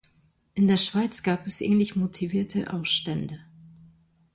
In der Schweiz gab es ähnlich motivierte Aufstände.